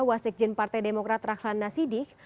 wasakjen partai demokrat rahlan nasidik